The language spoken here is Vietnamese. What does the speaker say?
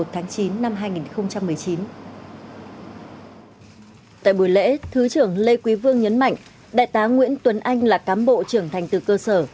tại buổi lễ thứ trưởng lê quý vương nhấn mạnh đại tá nguyễn tuấn anh là cám bộ trưởng thành từ cơ sở